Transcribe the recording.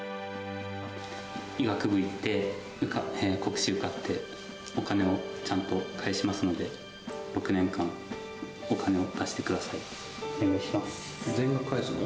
医学部に行って、国試受かって、お金をちゃんと返しますので、６年間、お金を出し全額返すの？